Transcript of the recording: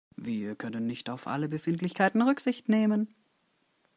Wir können nicht auf alle Befindlichkeiten Rücksicht nehmen.